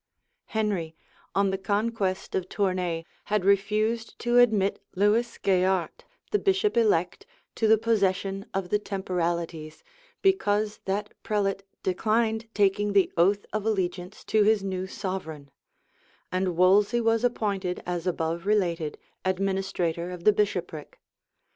Henry, on the conquest of Tournay had refused to admit Lewis Gaillart, the bishop elect, to the possession of the temporalities, because that prelate declined taking the oath of allegiance to his new sovereign; and Wolsey was appointed as above related, administrator of the bishopric.